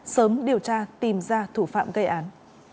sớm điều tra tìm ra thủ phạm gây án